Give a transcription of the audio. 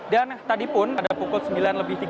dan tadi pun pada pukul sembilan tiga puluh